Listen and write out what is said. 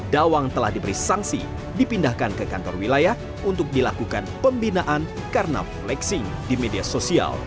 dawang telah diberi sanksi dipindahkan ke kantor wilayah untuk dilakukan pembinaan karena flexing di media sosial